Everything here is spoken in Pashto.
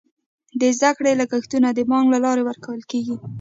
د زده کړې لګښتونه د بانک له لارې ورکول کیږي.